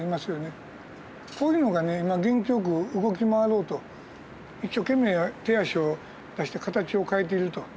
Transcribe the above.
こういうのがね元気よく動き回ろうと一生懸命手足を出して形を変えていると。